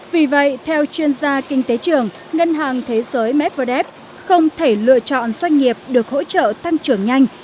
vì vậy theo chuyên gia kinh tế trường ngân hàng thế giới medvedev không thể lựa chọn doanh nghiệp được hỗ trợ tăng trưởng nhanh